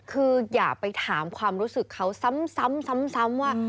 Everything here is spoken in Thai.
คืออย่าไปถามความรู้สึกเขาซ้ำว่า